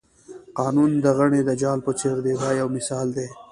قانون د غڼې د جال په څېر دی دا یو مثال دی.